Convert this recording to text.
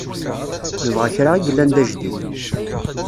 Nebɣa kra i yellan d ajdid.